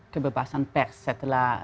kebebasan pers setelah